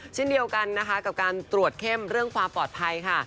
เช่นเดียวกันนะคะกับการตรวจเข้มเรื่องความปลอดภัยค่ะ